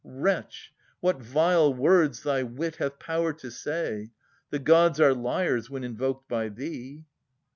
Wretch, what vile words thy wit hath power to say! The gods are liars when invoked by thee.